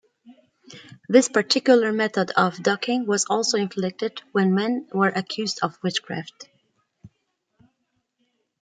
This particular method of ducking was also inflicted when men were accused of witchcraft.